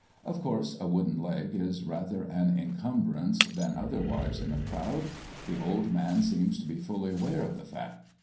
Of course, a wooden leg is rather an encumbrance than otherwise in a crowd. The old man seems to be fully aware of the fact.